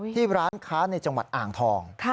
ที่ร้านค้าในจังหวัดอ่างทอง